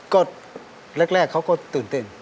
ก็แรกเขาก็ตื่นเต้น